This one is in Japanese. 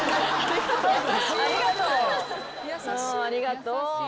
ありがとう。